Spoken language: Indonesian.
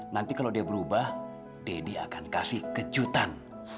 nanti kalau dia berubah deddy akan kasih kejutan